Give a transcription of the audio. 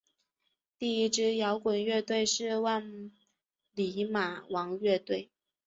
第一支摇滚乐队是万李马王乐队。